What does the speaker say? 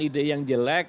ide yang jelek